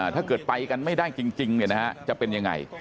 ถ้าเกิดไปกันไม่ได้จริงเนี่ยนะฮะจะเป็นยังไง